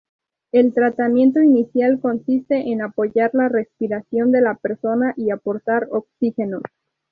El tratamiento inicial consiste en apoyar la respiración de la persona y aportar oxígeno.